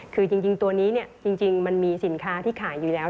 คือจริงตัวนี้จริงมันมีสินค้าที่ขายอยู่แล้ว